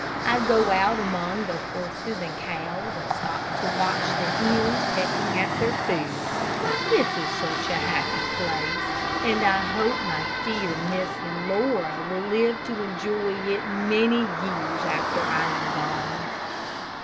I go out among the horses and cows, and stop to watch the hens pecking at their food. This is a happy place, and I hope my dear Miss Laura will live to enjoy it many years after I am gone.